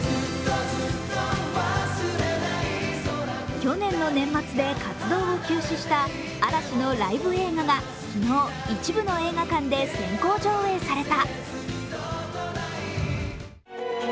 去年の年末で活動を休止した嵐のライブ映画が昨日、一部の映画館で先行上映された。